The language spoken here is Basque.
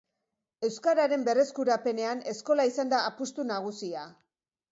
Euskararen berreskurapenean eskola izan da apustu nagusia.